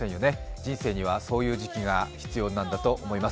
人生にはそういう時期が必要なんだと思います。